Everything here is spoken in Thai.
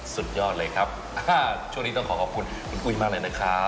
สุดยอดเลยครับช่วงนี้ต้องขอขอบคุณคุณปุ้ยมากเลยนะครับ